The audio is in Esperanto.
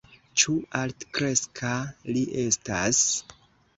Ĉu altkreska li estas?